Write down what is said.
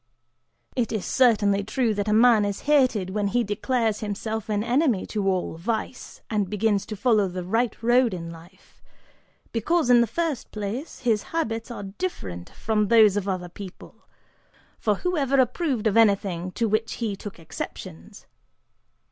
"It is certainly true that a man is hated when he declares himself an enemy to all vice, and begins to follow the right road in life, because, in the first place, his habits are different from those of other people; for who ever approved of anything to which he took exceptions?